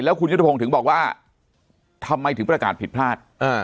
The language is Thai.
คุณยุทธพงศ์ถึงบอกว่าทำไมถึงประกาศผิดพลาด